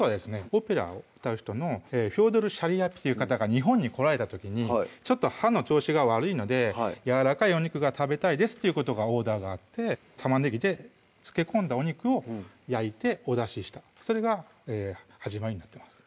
オペラを歌う人のフョードル・シャリアピンという方が日本に来られた時に「ちょっと歯の調子が悪いのでやわらかいお肉が食べたいです」ということがオーダーがあって玉ねぎで漬け込んだお肉を焼いてお出ししたそれが始まりになってます